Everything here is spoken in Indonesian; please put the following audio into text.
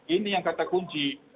ini yang kata kunci